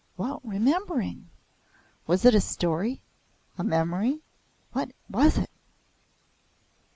what remembering? Was it a story a memory? What was it?